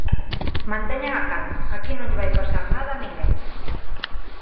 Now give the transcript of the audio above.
Manteñan a calma, aquí non lle vai pasar nada a ninguén.